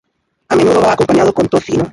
A menudo va acompañado con tocino.